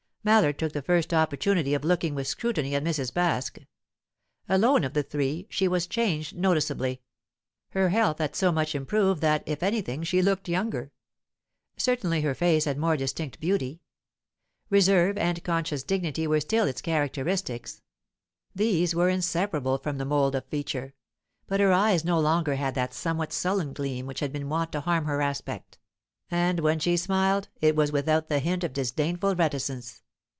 Mallard took the first opportunity of looking with scrutiny at Mrs. Baske. Alone of the three, she was changed noticeably. Her health had so much improved that, if anything, she looked younger; certainly her face had more distinct beauty. Reserve and conscious dignity were still its characteristics these were inseparable from the mould of feature; but her eyes no longer had the somewhat sullen gleam which had been wont to harm her aspect, and when she smiled it was without the hint of disdainful reticence.